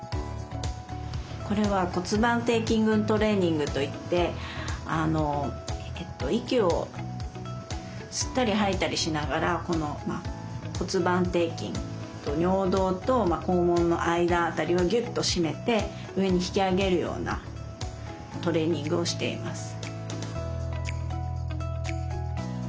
これは骨盤底筋群トレーニングといって息を吸ったり吐いたりしながらこの骨盤底筋尿道と肛門の間あたりをぎゅっと締めて上に引き上げるようなトレーニングをしています。